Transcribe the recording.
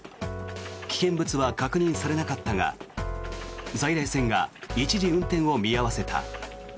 危険物は確認されなかったが在来線が一時、運転を見合わせた。